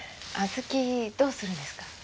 小豆どうするんですか？